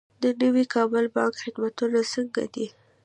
د نوي کابل بانک خدمتونه څنګه دي؟